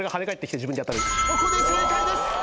ここで正解です。